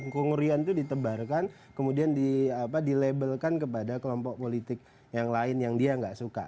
ke ngerian itu ditebarkan kemudian di labelkan kepada kelompok politik yang lain yang dia nggak suka